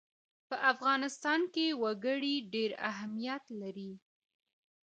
په افغانستان کې وګړي ډېر اهمیت لري.